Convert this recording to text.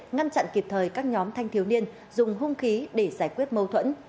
ngăn chặn kịp thời các nhóm thanh thiếu niên dùng hung khí để giải quyết mâu thuẫn